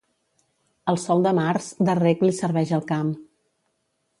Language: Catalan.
El sol de març, de reg li serveix al camp.